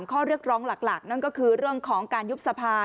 ข้อเรียกร้องหลักนั่นก็คือเรื่องของการยุบสภา